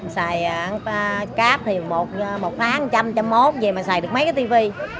xài cáp thì một tháng trăm trăm mốt vậy mà xài được mấy cái tv